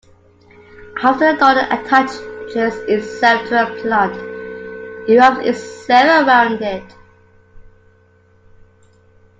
After a dodder attaches itself to a plant, it wraps itself around it.